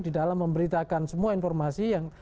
di dalam memberitakan semua informasi yang